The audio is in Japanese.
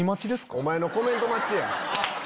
お前のコメント待ちや！